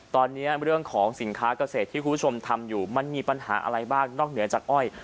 ตอนนี้เรื่องของสินค้าเกษตรที่คุณผู้ชมทำอยู่มันมีปัญหาอะไรบ้างนอกเหนือจากอ้อย